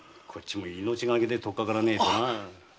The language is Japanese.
こっちも命がけでとっかからねえとな。